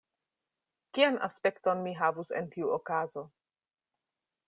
Kian aspekton mi havus en tiu okazo?